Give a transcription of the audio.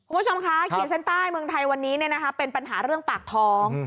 คุณผู้ชมคะขีดเส้นใต้เมืองไทยวันนี้เป็นปัญหาเรื่องปากท้อง